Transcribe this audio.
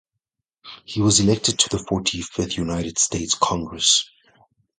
He was elected to the Forty-fifth United States Congress.